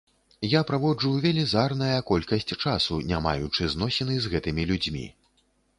Я праводжу велізарная колькасць часу, не маючы зносіны з гэтымі людзьмі.